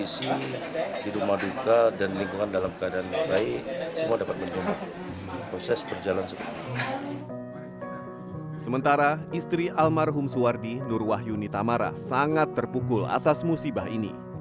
sementara istri almarhum suwardi nur wahyuni tamara sangat terpukul atas musibah ini